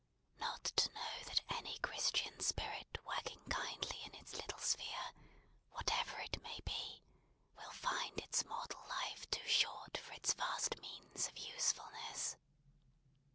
Not to know that any Christian spirit working kindly in its little sphere, whatever it may be, will find its mortal life too short for its vast means of usefulness.